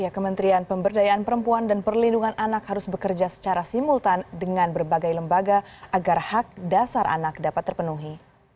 kementerian pemberdayaan perempuan dan perlindungan anak harus bekerja secara simultan dengan berbagai lembaga agar hak dasar anak dapat terpenuhi